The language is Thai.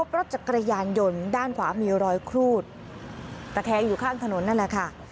รถจักรยานยนต์ด้านขวามีรอยครูดตะแคงอยู่ข้างถนนนั่นแหละค่ะ